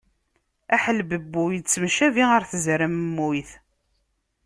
Aḥelbebbu yettemcabi ɣer tzermemmuyt.